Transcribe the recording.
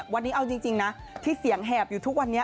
วันนี้เอาจริงนะที่เสียงแหบอยู่ทุกวันนี้